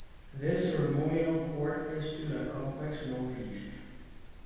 This Ceremonial Court is to the Complex north-east.